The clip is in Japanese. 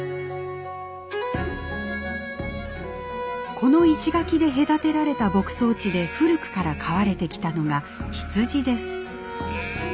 この石垣で隔てられた牧草地で古くから飼われてきたのが羊です。